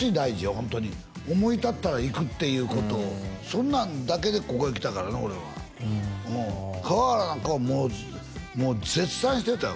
ホントに思い立ったらいくっていうことをそんなんだけでここへ来たからね俺は河原なんかはもう絶賛してたよ